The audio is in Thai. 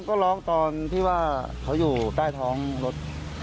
ก็ร้องตอนที่ว่าเขาอยู่ใต้ท้องรถ